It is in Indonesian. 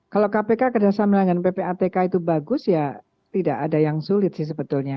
kalau kpk kerjasama dengan ppatk itu bagus ya tidak ada yang sulit sih sebetulnya